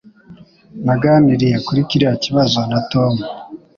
Naganiriye kuri kiriya kibazo na Tom.